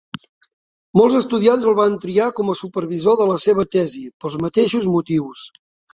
Molts estudiants el van triar com a supervisor de la seva tesi pels mateixos motius.